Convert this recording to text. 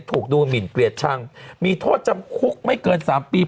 ถูกดูหมินเกลียดชังมีโทษจำคุกไม่เกิน๓ปี